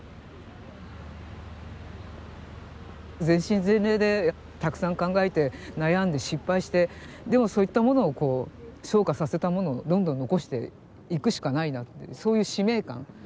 全身全霊でたくさん考えて悩んで失敗してでもそういったものを昇華させたものをどんどん残していくしかないなそういう使命感。